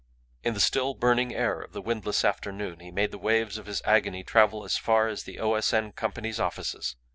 In the still burning air of the windless afternoon he made the waves of his agony travel as far as the O. S. N. Company's offices.